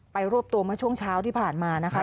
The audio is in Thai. รวบตัวเมื่อช่วงเช้าที่ผ่านมานะคะ